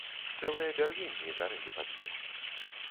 Цэлыя бярвенні гарэлі пад ім.